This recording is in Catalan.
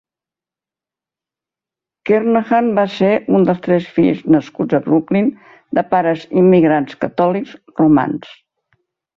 Kernaghan va ser un dels tres fills nascuts a Brooklyn de pares immigrants catòlics romans.